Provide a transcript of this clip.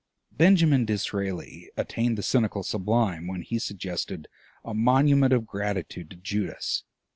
Benjamin Disraeli attained the cynical sublime when he suggested a monument of gratitude to Judas.